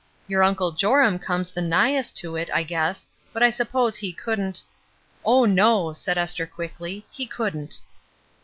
Your Uncle Joram comes the nighest to it, I guess; but I s'pose he couldn't —" "Oh, no!'' said Esther, quickly. "He couldn't."